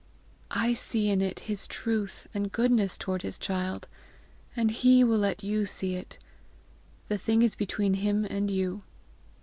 "I see in it his truth and goodness toward his child. And he will let you see it. The thing is between him and you."